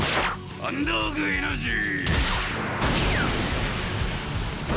アンダーグ・エナジー！